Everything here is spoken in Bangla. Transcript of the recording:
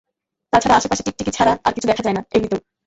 তাছাড়া, আশেপাশে টিকটিকি ছাড়া আর কিছু দেখা যায় না, এমনিতেও।